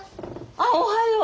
ああおはよう。